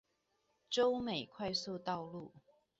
洲美快速道路